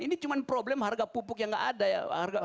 ini cuma problem harga pupuk yang nggak ada ya